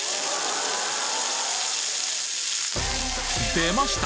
出ました！